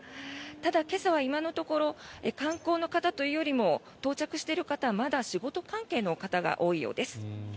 ただ、今朝は今のところ観光の方というよりは到着している方まだ仕事関係の方が多いようです。